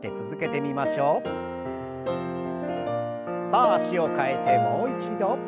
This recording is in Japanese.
さあ脚を替えてもう一度。